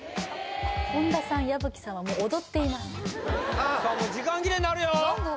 本田さん矢吹さんはもう踊っていますさあもう時間切れになるよ・何だ？